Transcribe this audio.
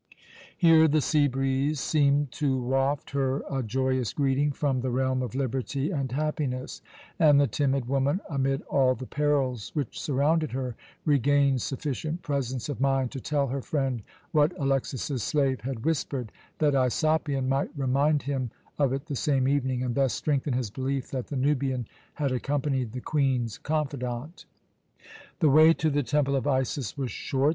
Here the sea breeze seemed to waft her a joyous greeting from the realm of liberty and happiness, and the timid woman, amid all the perils which surrounded her, regained sufficient presence of mind to tell her friend what Alexas's slave had whispered that Aisopion might remind him of it the same evening, and thus strengthen his belief that the Nubian had accompanied the Queen's confidante. The way to the Temple of Isis was short.